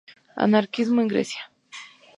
Anarquismo en Grecia